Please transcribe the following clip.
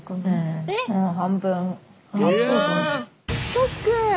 ショック！